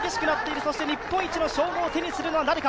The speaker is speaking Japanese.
そして日本一の称号を手にするのは誰か。